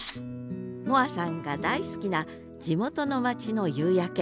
萌晏さんが大好きな地元の町の夕焼け。